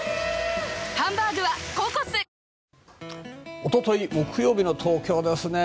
一昨日木曜日の東京ですね。